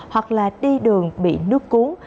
hoặc là đi đường bị nước cuốn